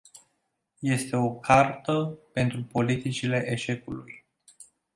Este o cartă pentru politicile eșecului.